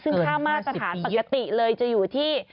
ซึ่งค่ามาตรฐานปกติเลยจะอยู่ที่